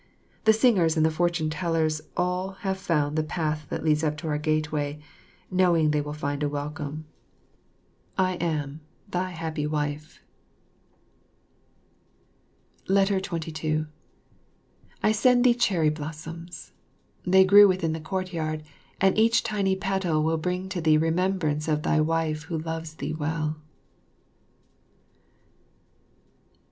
The singers and the fortune tellers all have found the path that leads up to our gateway, knowing they will find a welcome. [Illustration: Mylady13.] I am, Thy Happy Wife. 22 I send thee cherry blossoms. They grew within thy courtyard, and each tiny petal will bring to thee remembrance of thy wife who loves thee well.